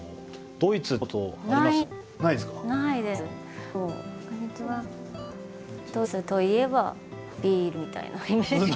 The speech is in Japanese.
ドイツといえばビールみたいなイメージしか。